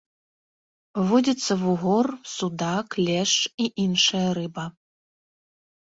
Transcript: Водзіцца вугор, судак, лешч і іншая рыба.